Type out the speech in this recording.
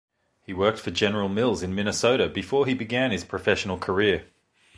He worked for General Mills in Minnesota before he began his professional career.